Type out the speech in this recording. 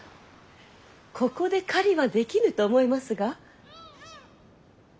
ここで狩りはできぬと思いますが？